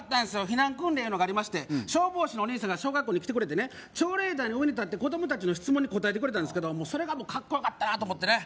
避難訓練いうのがありまして消防士のお兄さんが小学校に来てくれてね朝礼台の上に立って子供達の質問に答えてくれたんですけどそれがカッコよかったなと思ってね